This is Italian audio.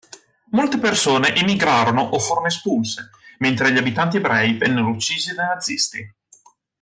Molte persone emigrarono o furono espulse, mentre gli abitanti ebrei vennero uccisi dai nazisti.